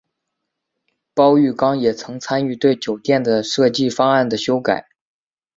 包玉刚也曾参与对酒店的设计方案的修改。